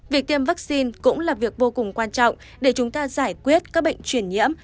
việc tiêm vaccine cũng là việc vô cùng quan trọng để chúng ta giải quyết các bệnh chuyển nhiễm